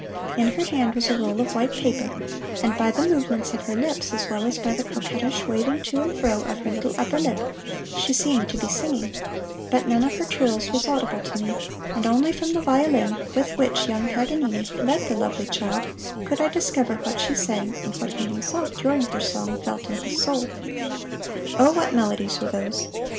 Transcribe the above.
In her hand was a roll of white paper, and by the movements of her lips as well as by the coquettish waving to and fro of her little upper lip she seemed to be singing; but none of her trills was audible to me, and only from the violin with which young Paganini led the lovely child could I discover what she sang, and what he himself during her song felt in his soul. Oh, what melodies were those!